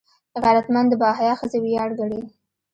غیرتمند د باحیا ښځې ویاړ ګڼي